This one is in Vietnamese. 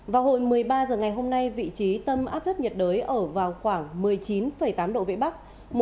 vào hồi một mươi ba h ngày hôm nay vị trí tâm áp thấp nhiệt đới ở vào khoảng một mươi chín tám độ vĩ bắc